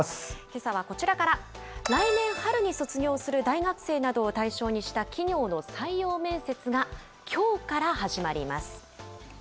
けさはこちらから、来年春に卒業する大学生などを対象にした企業の採用面接が、きょうから始まります。